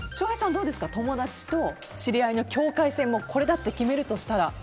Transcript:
どうですか、友達と知り合いの境界線これだと決めるとしたら。